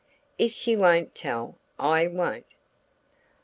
If she won't tell, I won't.'